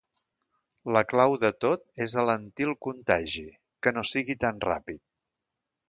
La clau de tot és alentir el contagi, que no sigui tan ràpid.